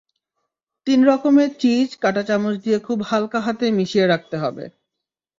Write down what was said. তিন রকমের চিজ কাঁটাচামচ দিয়ে খুব হালকা হাতে মিশিয়ে রাখতে হবে।